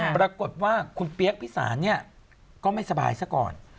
ปรากฏว่าคุณเปี๊ยกพิสารเนี่ยก็ไม่สบายซะก่อน